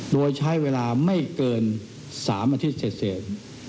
โดยใช้เวลาไม่เกิน๓อาทิตย์เศษ